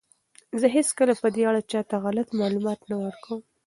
زه هیڅکله په دې اړه چاته غلط معلومات نه ورکوم.